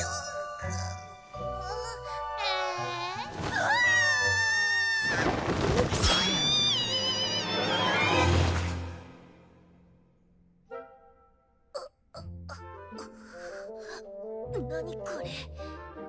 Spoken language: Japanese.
ああっ何これ。